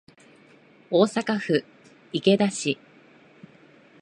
大阪府池田市